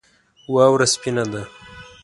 واوره سپینه ده